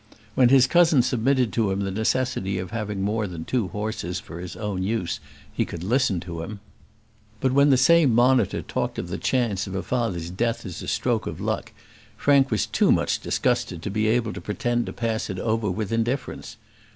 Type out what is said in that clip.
When his cousin submitted to him the necessity of having more than two horses for his own use he could listen to him; but when the same monitor talked of the chance of a father's death as a stroke of luck, Frank was too much disgusted to be able to pretend to pass it over with indifference.